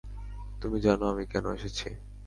তুমি জানো আমি কেন এসেছি।